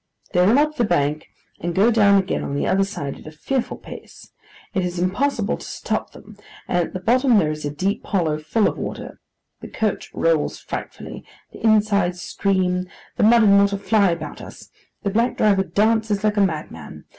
They run up the bank, and go down again on the other side at a fearful pace. It is impossible to stop them, and at the bottom there is a deep hollow, full of water. The coach rolls frightfully. The insides scream. The mud and water fly about us. The black driver dances like a madman.